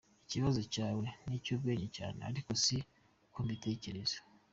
Ikibazo cyawe n’icyubwenge cyane, ariko si ko mbitekereza.